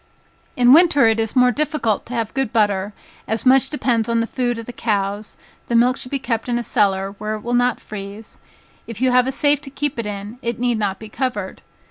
In winter it is more difficult to have good butter, as much depends on the food of the cows, the milk should be kept in a cellar, where it will not freeze, if you have a safe to keep it in, it need not be covered.